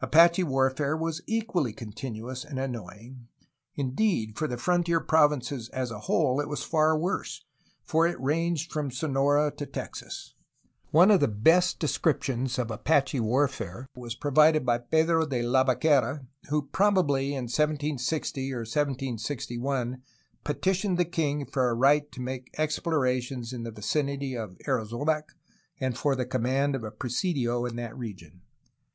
Apache warfare was equally continuous and annoying; indeed, for the frontier provinces as a whole it was far worse, as it ranged from Sonora to Texas. One of the best descriptions of Apache warfare was provided by Pedro de Labaquera, who, probably in 1760 or 1761, petitioned the king for a right to make explorations in the vicinity of Arizonac and for the command of a presidio in that region.